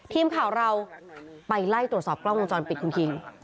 ทีมข่าวเราไปไล่ตรวจสอบกล้องวงจรปิดคุณคิง